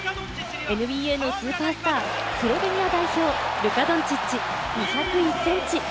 ＮＢＡのスーパースター、スロベニア代表、ルカ・ドンチッチ、２０１ｃｍ。